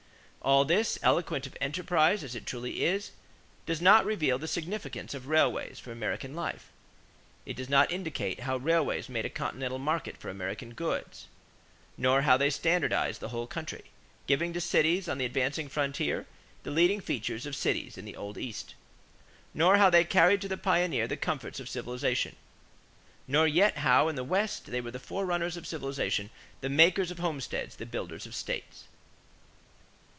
All this, eloquent of enterprise as it truly is, does not reveal the significance of railways for American life. It does not indicate how railways made a continental market for American goods; nor how they standardized the whole country, giving to cities on the advancing frontier the leading features of cities in the old East; nor how they carried to the pioneer the comforts of civilization; nor yet how in the West they were the forerunners of civilization, the makers of homesteads, the builders of states.